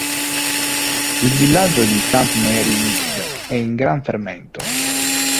Il villaggio di St. Mary Mead è in gran fermento.